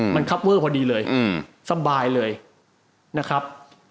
มันคับเวอร์พอดีเลยสบายเลยนะครับ